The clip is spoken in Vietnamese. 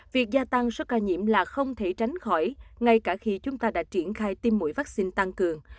việc gia tăng số ca nhiễm là không thể tránh khỏi ngay cả khi chúng ta đã triển khai tiêm mũi vaccine tăng cường